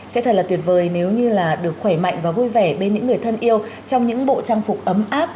sẽ thật là tuyệt vời nếu như là được khỏe mạnh và vui vẻ bên những người thân yêu trong những bộ trang phục ấm áp